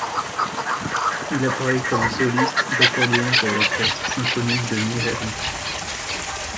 Il apparait comme soliste d'accordéon pour l'Orchestre symphonique de New Haven.